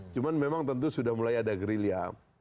cuman memang tentu sudah mulai ada gerilya